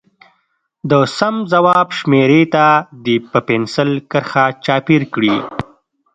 د سم ځواب شمیرې ته دې په پنسل کرښه چاپېر کړي.